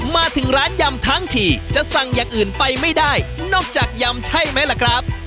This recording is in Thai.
มาถึงร้านยำทั้งทีจะสั่งอย่างอื่นไปไม่ได้นอกจากยำใช่ไหมล่ะครับ